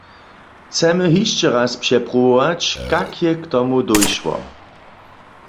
Chcemy hišće raz přepruwować, kak je k tomu dóšło.